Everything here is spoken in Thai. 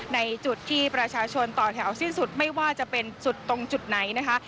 ในจุดที่ประชาชนต่อแถวสิ้นสุดไม่ว่าจะเป็นจุดตรงจุดไหนนะคะ